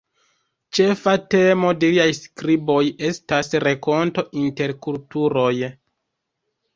Ĉefa temo de liaj skriboj estas renkonto inter kulturoj.